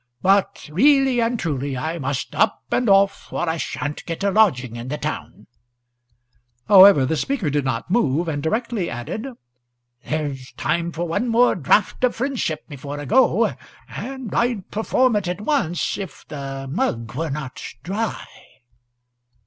But really and truly, I must up and off, or I sha'n't get a lodging in the town." However, the speaker did not move, and directly added, "There's time for one more draught of friendship before I go, and I'd perform it at once if the mug were not dry."